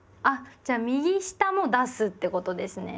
じゃあ右下も出すってことですね。